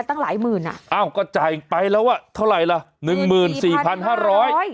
ตั้งหลายหมื่นอ่ะอ้าวก็จ่ายไปแล้วอ่ะเท่าไหร่ล่ะหนึ่งหมื่นสี่พันห้าร้อย